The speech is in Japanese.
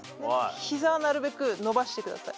ヒザなるべく伸ばしてください。